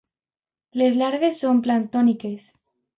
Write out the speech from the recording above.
Les larves són planctòniques.